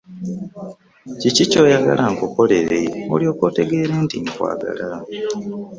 Kiki kyoyagala nkukolere olyoke otegeere nti nkwagala?